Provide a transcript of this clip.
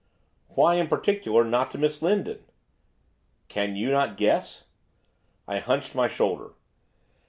'Why, in particular, not to Miss Lindon?' 'Can you not guess?' I hunched my shoulder.